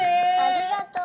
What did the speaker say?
ありがとう。